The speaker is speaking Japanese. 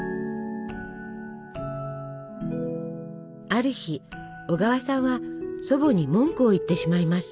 ある日小川さんは祖母に文句を言ってしまいます。